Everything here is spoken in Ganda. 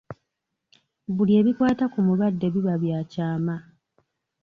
Buli ebikwata ku mulwadde biba bya kyama.